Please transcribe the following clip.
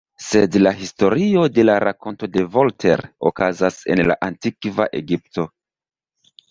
Sed la historio de la rakonto de Voltaire okazas en la Antikva Egipto.